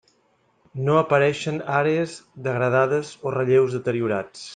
No apareixen àrees degradades o relleus deteriorats.